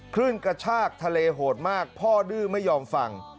ขึ้นกระชากทะเลโหดมากพ่อดื้อไม่ยอมฟัง